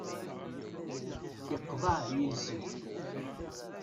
Iqḍeε yiles-ik.